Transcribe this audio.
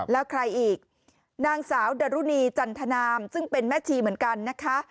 แล้วใครอีกนางสาวดรุณีจันทนามซึ่งเป็นแม่ชีเหมือนกันนะคะ